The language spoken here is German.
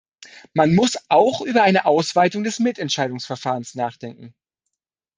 Man muss auch über eine Ausweitung des Mitentscheidungsverfahrens nachdenken.